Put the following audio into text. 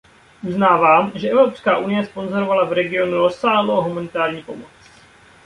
Uznávám, že Evropská unie sponzorovala v regionu rozsáhlou humanitární pomoc.